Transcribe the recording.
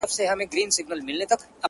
خره یې وروڼه وه آسونه یې خپلوان وه،